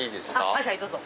はいはいどうぞ。